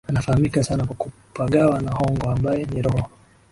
Anafahamika sana kwa kupagawa na Hongo ambaye ni roho